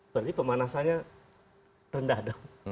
berarti pemanasannya rendah dong